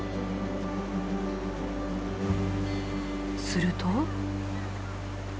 すると。